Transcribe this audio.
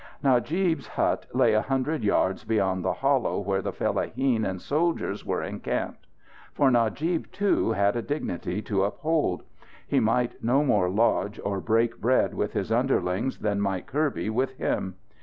Najib's hut lay a hundred yards beyond the hollow where the fellaheen and soldiers were encamped. For Najib, too, had a dignity to uphold. He might no more lodge or break bread with his underlings than might Kirby with him.